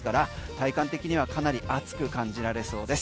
体感的にはかなり暑く感じられそうです。